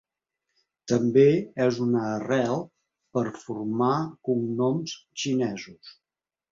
També és una arrel per a formar cognoms xinesos.